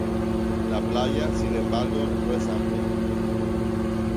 La playa, sin embargo, no es amplia.